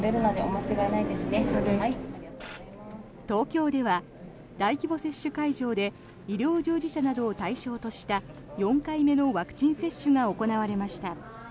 東京では大規模接種会場で医療従事者などを対象とした４回目のワクチン接種が行われました。